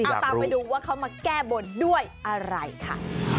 เอาตามไปดูว่าเขามาแก้บนด้วยอะไรค่ะ